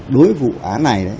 đối với vụ án này